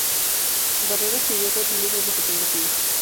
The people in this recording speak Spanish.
Barrera escribió cuatro libros de fotografía.